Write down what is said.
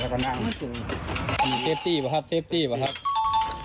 หยกชัดหยกชัดชักกับเตี๊ยวเข้ามาดัง